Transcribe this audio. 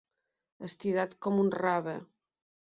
Estirat com un rave.